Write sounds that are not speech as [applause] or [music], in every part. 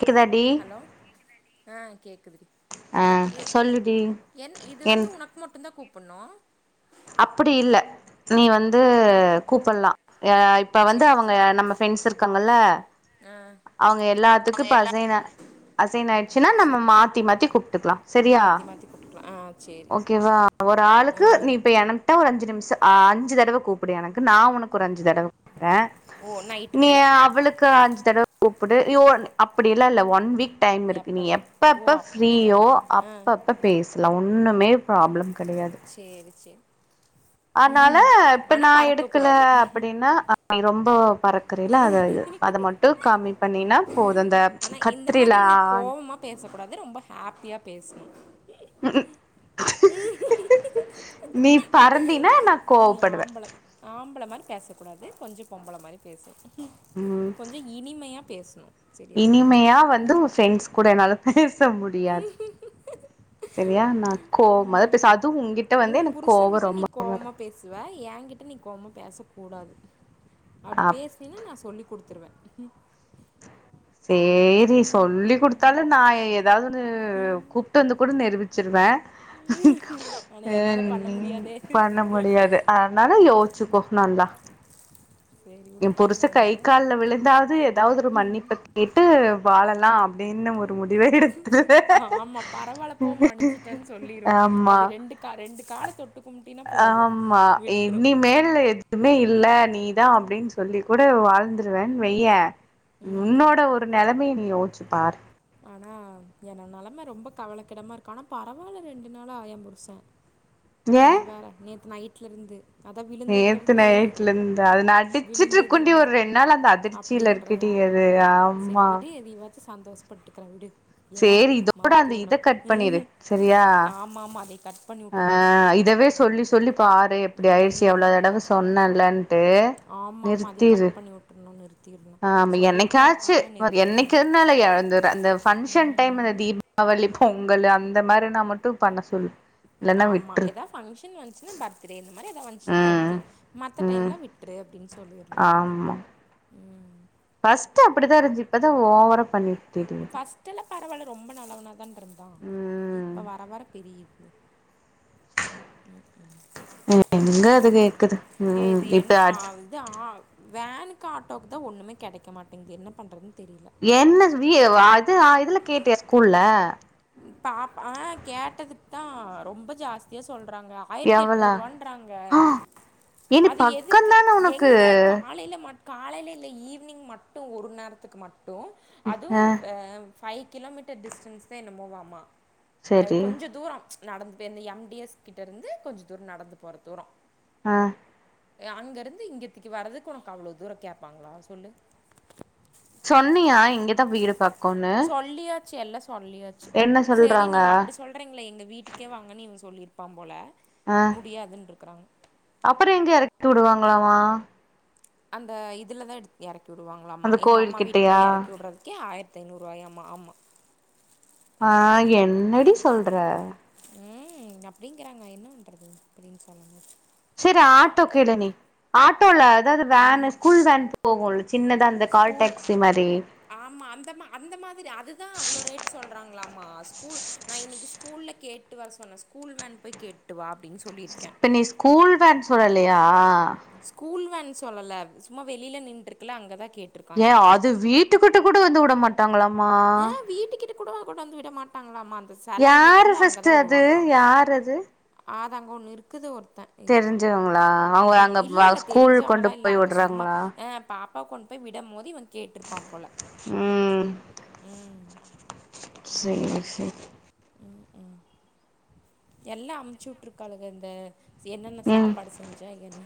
கேக்குதா டி ஹலோ கேக்குதா டி ஆ கேக்குது ஆ இ சொல்லுடி என் இது வந்து உனக் மொட்டுந்தா கூப்புன்ணு அப்புடி இல்ல நீ வந் த்து ஆ கூப்பிலா ஆ இப்ப வந்து சேரி அவங்க சேரி நம்ம ஃப்ரெண்ஸ் இருக்காங்கல்ல ஆ அவுங்க எல்லாத்துக்கு இப்ப அசைனா அசைன் ஆயிச்சின்னா நம்ம மாத்தி மாத்தி கூப்ட்டுக்கலா சரியா மாத்தி மாத்தி போட்டுக்கலா ஆ சேரி ஓகேவா ஒரு ஆளுக்கு ஆ நீப் எனக்த்தா ஒரு அஞ்சு நிம்ஷோ அ அஞ்சுதடவ கூப்பிடு எனக்கு நா உனக்கு ஒரு அஞ்சு தடவ அ ஓ நீ நைட்டுக்குள்ள அவளுக்கு அஞ்சு தடவ கூப்புடு யோ வொன் அப்புடி எல்லா இல்ல ஒன் வீக் டைம் இருக்கு நீ எப்ப ஓ எப்ப அப்படியா ஃப்ரீயோ ஆ அப்பப் போ பேசலா ஒன்னுமே ப்ராப்ளம் கெடையாது சேரி செரி அதனால இப்ப நா எடுக்கல அப்புடின்னா நீ ரொம்ப பறக்குறல அத இது அத மட் டு கம்மி பண்ணினா போது அந்த ஆனா இந்த மாதிரி கத்திரிலா நீ கோவமா பேசக்கூடாது ரொம்ப ஹாப்பியா பேசனு நீ பறந்தினா நா கோவ படுவ ம்பள ஆம்பள மாரி பேசக்கூடாது கொஞ்ச பொம்பள மாரி பேசு ம் கொஞ்ச இனிமையா பேசணு செரியா இனிமையா வந்து உன் ஃப்ரெண்ட்ஸ் கூட என்னால பேச முடியாது சரியா நா கோவமாதா பேச அதுவு உன்கிட்ட வந்து உன் எனக்கு கோவொ புருஷன்கிட்ட நீ ரொம்ப வரு கோவமா பேசுவ ஏங்கிட்ட நீ கோவமா பேச கூடாது அப்டி அப் பேசினியனா நா சொல்லி குடுத்துருவே சேரி நீ சொல்லி குடுத்தாலு நா எ ஏதாவது வந்து கூப்ட்டு வந்து கூட நிரூபிச்சிருவே ஆனா உ என்னால பண்ண நீ முடியாதே பண்ண முடியாது அதனாலே யோசிச்சுக்கோ நல்லா சரி விடு என் பழி புருச கை வாங்காத கால்ல விழுந்தாவது ஏதாவது ஒரு மன்னிப்ப கேட்டு வாழலா அப்டின்னு ஒரு முடிவே எடுத்துருவே ஆமா பரவால்ல போ மன்னிச்சிட்டேன்னு சொல்லிரும் ஆமா அது ரெண்டு கா ரெண்டு கால தொட்டு கும்ட்டினா அ போதும் ஆமா விட்ரும் இனிமேலு துமே இல்ல நீதா அப்டின்னு சொல்லி கூட வாழ்ந்துருவேன் வெய்யே ம் உன்னோட ஒரு நெலைமைய நீ யோஸ்ச்சு பாரு ஆனா என்னோட நெலம ரொம்ப கவலைக்கிடமா இருக்கு ஆனா பரவால்ல ரெண்டு நாளா எ புருச ஏ நீ வேற நேத்து நைட்ல இருந்து அதா நேத்து விழுந்ததுலிருந்து நைட்ல இருந்து அது நா அடிச்சிட்டு இருக்குண்டி விழுந்ததுலருந்து ஒரு ரெண்டு நாள் அந்த அப் அதிர்ச்சியில இருக்குடி அப்டின்றையா அது செரி ஆமா விடு எனையவச்சு சந்தோஷப்பட்டுக்கிறே விடு ஏன் சேரி இதோட மாற்றி அந்த இத கட் பண்ணிரு விட்றேன் சரியா ஆமாம் ஆமாம் அதை கட் பண்ணி ஆ விட்றணும் இதவே சொல்லி சொல்லி பாரு எப்டி ஆயிடுச்சு எவ்வளோ ம், தடவ சொன்னல்லன்ட்டு ஆமாம் ஆமாம் அதை நிறுத்திரு கட் பண்ணி விட்றணும் நிறுத்திடணும் ஆமா சொல்லிட்டு தான் என்னைக்காச்சு இருக்கான் பாரு நிறுத்தி என்னைக்கு விட்றணும் இருந்தாலு அந்த அந்த பங்க்ஷன் டைம் ம், இந்த தீப வலி பொங்கல் அந்த மாரி நா மட்டும் பண்ண சொல்லு இல்லன்னா ஆமா விட்ரு ஏதாது பங்க்ஷன் வந்துச்சுன்னா பர்த்டே இந்த மாரி ஏதாது வந்துச்சுன்னா ம் ஓகே மத்த ம் டைம்ல விட்டுரு அப்டின்னு சொல்லிருணும் ஆமா ஃபர்ஸ்ட் அப்டிதா இருஞ்ச்சு இப்பதா ஓவரா பண்ணிட்டு தெரியுது ஃபர்ஸ்ட்ல பரவால்ல ரொம்ப நல்லவனாதான இருந்தா ம் இப்ப வர வர தெரியுது எங்க அது திமிரு கேக்குது ம் இப்ப அதா வேனுக்கு ஆட்டோக்கு தா ஒன்னுமே கெடைக்க மாட்டேங்குது என்ன பண்றதுன்னு தெரியல என்ன வி அது இதுல கேட்டயா ஸ்கூல்ல பாப்பா ஆ கேட்டதுக்கு தா ரொம்ப ஜாஸ்தியா சொல்றாங்க ஆயரத்தி எவளா எட்நூறுவான்றாங்க ஆ ஏன்டி அது எதுக்கு பக்கந்தான உனக்கு எங்க காலைல மட் காலைல இல்ல ஈவினிங் மட்டும் ஒரு நேரத்துக்கு மட்டும் ஆ அதுவும் ஃபைவ் கிலோமீட்டர் டிஸ்டன்ஸ் தா என்னமோவாமா சரி கொஞ்ச தூரம் நடந்து போய் இந்த எம் டி எஸ் கிட்ட இருந்து கொஞ்ச தூரோ நடந்து போற தூரம் ஆ அங்கேருந்து இங்கேத்துக்கு வறதுக்கு ஒனக்கு அவ்வளோ தூரம் கேப்பாங்களா சொல்லு சொன்னியா இங்க சொல்லியாச்சு எல்லா சொல்லியாச்சு என்ன சரி சொல்றாங்க நீங்க அப்டி சொல் றீங்களா எங்க வீட்டுக்கே வாங்கன்னு இவங்க சொல்லியிருப்பான் போல முடியாதுன்ருக்கறாங்க அப்பறோ எங்க எறக்கி வுடுவாங்களாமா அந்த இதுல தா எடுத் எறக்கி விடுவாங்களாம்ம்மா அந்த எங்க கோயில் அம்மா வீட்டுக்கிட்ட கிட்டயா எறக்கி விடறதுக்கே ஆயிரத்தி த்தி நூறுவாயாமா ஆமா ஆ என்னடி சொல்ற ம் அப்டிங்கிறாங்க என்ன பண்றது அப்டின்னு சொல்லம் போது சேரி ஆட்டோ கேளு நீ ஆட்டோல அதாவது வேன் ஆமா ஸ்கூல் வேன் போகுல்ல சின்ன ஸ்கூல் ஆமா அந்த மா அந்த மாதிரி அதுதா அவ்வளோ ரேட் சொல்றாங்களாமா ஸ்கூல் நா இன்னைக்கு ஸ்கூல்ல கேட்டு வர சொன்னே ஸ்கூல் வேன் போய் கேட்டு ட்டுவா அப்டின்னு சொல்லிருக்கே கூழ்வேன் சொல்லலையா ஸ்கூல் வேன் சொல்லல சும்மா வெளியில நின்ருக்குல அங்கதா கேட்டு ஏ அது வீட்டுக்கிட்ட கூட வந்து விட மாட்டாங்களாமா ஆ வீட்டுக்கிட்ட கூட கூடவா வந்து விட மாட்டாங்களாமா அந்த செல ஒண்ணுக்குல்ல அங்கதா வுடுவாங்களா யாறது அது அங்க ஒன்னு இருக்குது ஒருத்தன் இருக்கா தெரிஞ்சவங்களா அவங்க ம் இல்ல அங்க இல்ல ஸ்கூல் கொண்டு தெரிஞ்சவங்களா இல்ல போய் அங்க சும்மா விடுறாங்களா ஆ பாப்பா கொண்போய் விடம் போது இவன் கேட்ருப்பான் போல ம் ம் சேரி சேரி ம் ம் எல்லா அமுச்சு விட்டுருக்காளுங்க இந்த என்னென்ன ம் சாப்பாடு செஞ்ச என்ன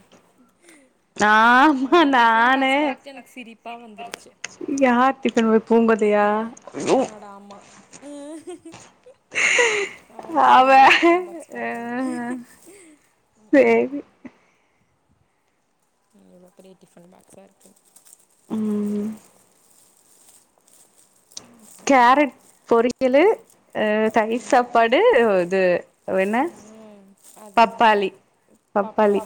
ஆமா அவன டிஃபன் நானு பாக்ஸ் பாத்துட்டு எனக்கு சிரிப்பா வந்துருச்சு யாரு டிஃபன் பாக்ஸ் அவனோட அம்மா அவன் அவ பையனோட டிஃபன் பாக்ஸ் அ பாத்த சேரி அவ்ளோ பெரிய டிஃபன் பாக்ஸா இருக்கு ம் ப கேரட் பொரியலு ஆ தயிர் சாப்பாடு இது வெண்ண ம், அது என்ன பப்பாளி பப்பாளி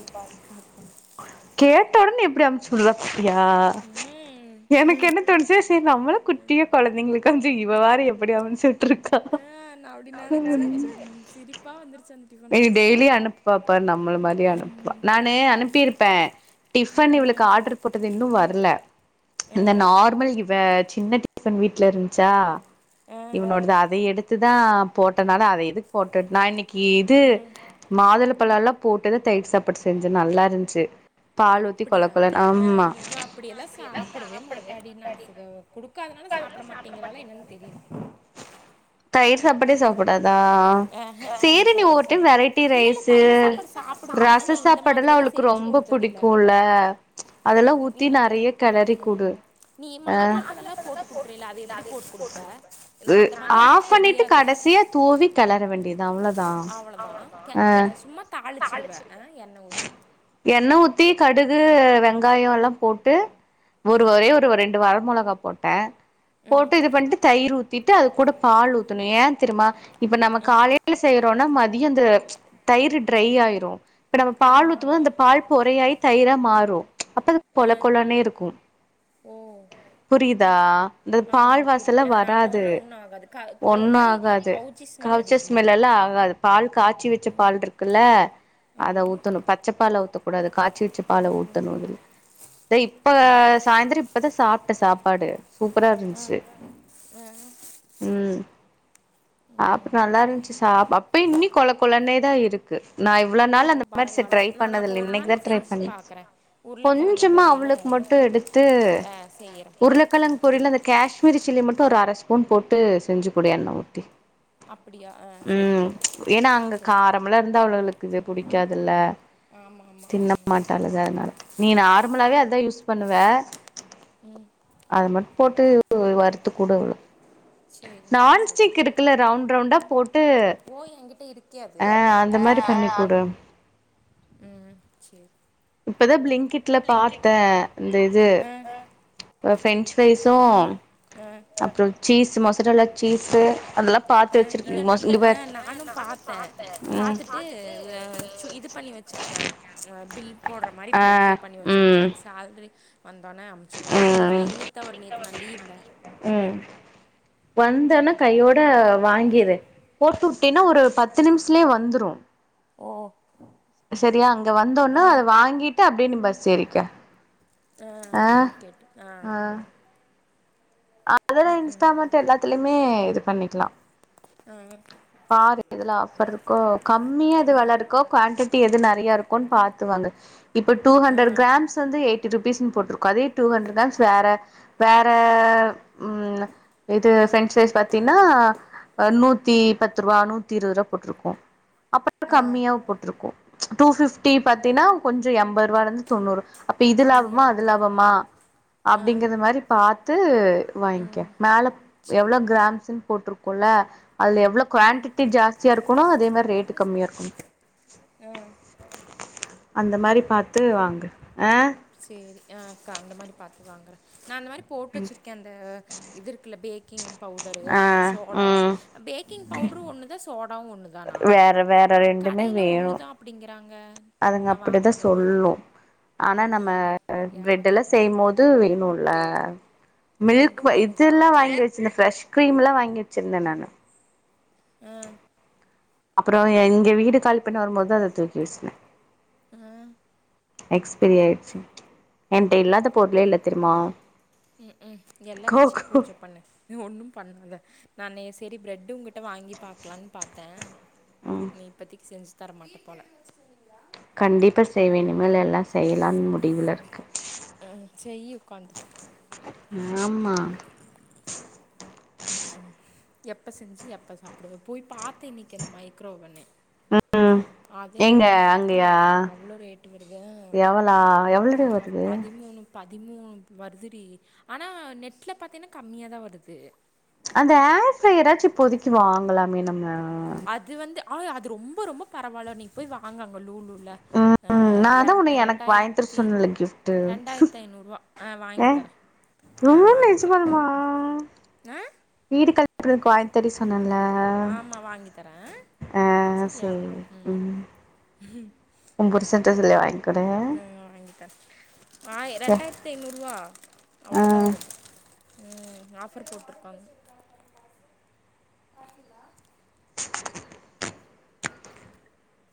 கேட்ட உடன்னே எப்டி அம்ச்சுடற பிரியா ம், எனக்கு என்ன தோணுச்சி சரி நம்மளு குட்டிய கொழந்தைங்கள கொஞ்சி இவ பாரு எப்படி அமைஞ்சுரு ஆ நா அப்படி நினைச்சே சிரிப்பா வந்துருச்சு அந்த டிஃபன் ஏ பாக்ஸ் டெய்லி பார்த்தாங்க அனுப்புவாப்பா நம்மள மாரியே அனுப்புவா டிஃபன் இவளுக்கு ம், ஆர்டர் போட்டது இன்னு வரல இந்த ம், நார்மல் இவ சின்ன டிஃபன் வீட்ல இருந்துச்சா இவனோடது அத எடுத்துதா போட்டனால அத எதுக்கு போட்ட நான் இன்னைக்கு இது மாதுளப்பழம் எல்லா போட்டுதா தயிர் சாப்பாடு செஞ்ச நல்லா இருந்துச்சு பாலூத்தி கொலக்கலன் ஆமா அப்படியெல்லா சாப்பிடவே மாட்டாடி நா குடுக்காதனால சாப்பிட மாட்டேங்கிறால என்னென்னு தெரியல தயிர் சாப்பாடே சாப்பிடாதா ஆஹ் சேரி தயிர் நீ சாப்பாடு ஒரு டைம் சாப்பிடு வெரைட்டி இல்லை இல்லை ரைசு தயிர் சாப்பாடு சாப்பிடுவானா ரச நான் இந்த சாப்பாடு எல்லாம் மாதிரியெல்லாம் அவளுக்கு செஞ்சு ரொம்ப கொடுத்ததில்ல புடிக்குல நீ உம் நீ ஆ மாதுளம்பழலாம் போட்டு குடுக்கறயில்ல அத எப்படி போட்டு குடுப்ப நான் அந்த மாரிலாம் எனக்கு ஆஃப் பண்ணிட்டு தெரியாது கடைசியா தூவி கெளற வேண்டியதா அவ்ளோதா அவ்ளதான் ஆ சும்மா தாளிச்சிருவ ஆ எண்ண ஊத்தி எண்ண ஊத்தி கடுகு வெங்காய எல்லா போட்டு ஒரு வகையா ஒருவரண்டு ரெண்டு வர மொளகா போட்டே போட்டு இது பண்ணிட்டு தயிர் ஊத்தி ட்டு அது கூட பால் ஊத்தணு ஏ தெரியும்மா இப்ப நம்ம காலைல வீட்ல செய்யறோனா மதியம் அந்த தயிர் ட்ரை ஆயிரு இப்ப நம்ம பால் ஆமா ஆமா ஊத்தும்போது அந்த பால் பொறையாய் தயிரா மாறு அப்ப ஆ கொல கொலனே இருக்கு ஓ புரியுதா இந்த பால் ஆமா புரி வாசன ஆ வர அப்ப து வந்து ஒன்னும் ஆகாது க ஒரு ஒண்ணு மாரி ஆகாது கவுச்சி ஸ்மெல் கவிச்சி அடிக்குமா ஸ்மெல்ல எல்லாம் ஆகாது பால் காய்ச்சி வச்ச பால் இருக்கு க்குல ஆமா இப்ப பச்சப்பால ஊத்தக்கூடாது காய்ச்சி வச்ச பால ஊத்தணும் இல இத இப்ப சாயந்தரம் இப்பதான் சாப்பிட்ட சாப்பாடு சூப்பரா இருந்துச்சு ஆஹ ம் அப்பறம் நல்லா இருந்துச்சு சா அப்ப இன்னி கொழ கொழனே தா இருக்கு நா இவ்ளவு ஓ நாள் அந்த மாரி சரி பரவால்ல ட்ரை நான் அப்போ பண்ணதில்ல ஒரு இன்னைக்கு தா நாள் ட்ரை செஞ்சு பண்ண பாக்குறேன் உருளைக்கிழங்கு கொஞ்சமா பொரியலும் அவளுக்கு மட்டு எடுத்து ஆ செய்யறேன் உருளைக்கிழங்கு புரியல இந்த காஷ்மீரி சில்லி மட்டும் ஒரு அரை ஸ்பூன் போட்டு செஞ்சு குடு எண்ண ஊத்தி அப்படியா சரி ம் ஏன்னா அங்க செஞ்சு காரம்லா இருந்தா அவ்ளுகளுக்கு இது புடிக்காதுல்ல ஆமாமா தின்ன மாட்டாளுக அதனால நீ நார்மலாவே அதான் யூஸ் பண்ணுவ ம் அத மட்டு போட்டு வறுத்து குடு அவு சரி நான் அப்படி செஞ்சு நான்ஸ்டிக் பாக்குறேன் இருக்குல ரவுண்ட் ரவுண்டா போட்டு ஓ என்கிட்ட இருக்கே அது ஆ அந்த மாரி அ பண்ணி குடு ம் செர் இப்பதா ப்லிங்கிட்ல பாதி த்த இந்த இது ஆ பிரெஞ்சு ஃப்ரைஸு அ அப்புறோ சீஸ் மோசரல்லா சீஸ்ஸு அதெல்லா அ பாத்து வச்சிருக்க இல்ல ந மொஸ் இங்க ஆ பாரு நானும் பாத்தே ம் பாத்துட்டு அ சு இது பண்ணி வச் சிருக்கே அ பில் போடுற மாரி ஆ இப்ப ஓகே பண்ணி வச்சிருக்கே ம் சால்ரி வந்தோன்னே அமுச்ச விட்டுக்கலா இன்னைக்கு நா இன்னைக்கு தா வரு நேத்து நா லீவ்ல உ வந்தன்ன கையோட வாங்கிரு போட்டு உட்டேனா ஒரு பத்து நிமிஷ்லே வந்துரு ஓ சரியா அங்க வந்தோனே ஆ அத வாங்கிட்டு அப்டியே நீ பஸ் ஏறிக்க ஆ அப்டின்னு கேட்டு அ ஆ அதெல்லா இன்ஸ்டாமார்ட் அது எல்லாத்துலயுமே இது பண்ணிக்கலா பாரு எதுல ஆஃபர் இருக்கோ கம்மியா எது வெல இருக்கோ குவாண்டிட்டி எது நெறையா இருக்குன் பாத்துவாங்கு இப்ப டூ ஆ ஹண்ட்ரட் கிராம்ஸ் வந்து எயிட்டி ருபீஸ்னு போட்டிருக்கு அதே டூ ஹண்ட்ர் க்ராம்ஸ் வேற வேற ம் இது சென்சஸ் பத் பத்தீன்னா நூத்தி பத்து ருவா நூத்தி இருவது ருவா போட்ருக்கு அப்புற கம்மியாவு போட்ருக்கு டூ ஃபிஃப்டி பாத்தீன்னா கொஞ்சோ எம்பது ருவாலருந்து தொண்ணூறு அப்ப இது கம்மியா லாபமா அது இருந்திருக்கு லாபமா ஆ அப்டிங்கத மாரி பாத்து வாங்கே ம் மேல சேரி எவ்ளோ கிராம்ஸ்ன்னு போட்ருக்குல அதுல எவ்ளோ குவாண்டிட்டி ஜாஸ்தியா இருக்கணு அதே மாரி ரேட்டு கம்மியா இருக்கணு அந்த மாரி பாத்து வாங்கு ஆ சேரி ஆ அக்கா அந்த மாதிரி பாத்து வாங்குறே நா அந்த மாதிரி போட்டு வச்சிருக்கே அந்த இது இருக்குல பேக்கிங் பவுடரு ஆ சோடா ம் பேக்கிங் பவுடரு ஒன்னு தா சோ தோடா ஒன்னு தானா வேற வேற ரெண்டுமே கடையில ஒன்னு வேணு தா அப்டிங்கறாங்க அதுங்க நா வாங்க அப்டிதா போது சொல்லு [inaudible] ஆனா நம்ம பிரெட்டெல்லா ஏமாத்திட்டாங்க செய்யும் போது வேணு ல மில்க் ரெண்டும் ஒன்று தான் இதெல்லா அப்படின்னாங்க வாங்கி வச்சிருந்தே ஃப்ரெஷ் கிரீம்ல்லா வாங்கி வச்சிருந்தே நானு அ அப்புறோ எங்க வீடு காலி பண்ணி வரும்போது அத தூக்கி வீசுனே அ எக்ஸ்பிரி ஆயிடுச்சு என்ட இல்லாத பொருலே இல்ல தெரியுமா ம் ம் எல்லா வச்சுட்டு கோகோ பூஜ பண்ணு ஒன்னும் பண்ணாத நானு சரி பிரெட்டு உங்கிட்ட வாங்கி பாக்கலான்னு பாத்தே ஆ நீ இப்பத்தக்கி செஞ்சு தரமாட்ட போல கண்டிப்ப செய்வே இனிமேல் எல்லா செய்யலான் முடிவுல இருக்க அ செய்யி உக்காந்து ஆம்மா [inaudible] ம் ம் எப்போசெஞ்சு எப்ப சாப்புடுவ போய் பாத்தே இன்னிக் அந்த மைக்ரோவன்னு ம் [inaudible] எங்க அதென்னம்மோ பாத்தா அங்கயா அவ்ளோ ரேட்டு வருது அ எவளா எவ்ளடி அ வருது பதிமூணு பதிமூணு வர்துடி ஆனா நெட்ல பாத்தீன கம்மியாதா வருது அந்த ஆர் ப்ரய்ராச்சு இப்போதிக்கி வாங்குலாமே நம்ம அது வந்து ஆய் அது ரொம்ப ரொம்ப பரவால்ல நீ போய் வாங்க அங்க லூலூர்ல அ ம் நா அதா எர்ண் உன்ன எனக்கு வாங்கி தர ரெண்டாயருத்தி சொன்னேல கிஃப்ட்டு ரெண்டாயர்த் ஐநூறுபா அ வாங்கி தர இவ்ளோ நெஜ்மாலுமா ஆ வீடு கல்ப்றது வாங் தெரி சொன்னல்ல ஆமா வாங்கி தரே அ சேரி ம் [inaudible] உம் புருசன்ட்ட சொல்லி வாங் ம் வாங்கித்தர ஆய் ஏ ரெண்டாயிர் த்தி ஐநூறுவா ஆ அவுளதா வருது ம் ஆஃபர் போட்ருப்பாங் [inaudible]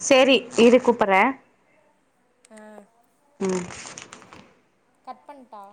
சேரி இரு கூப்பற்ற அ ம் கட் பண்ட்டா